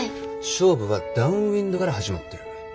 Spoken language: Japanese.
勝負はダウンウインドから始まってる。